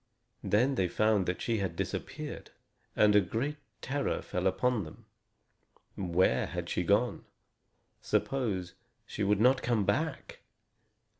Then they found that she had disappeared, and a great terror fell upon them. Where had she gone? Suppose she should not come back!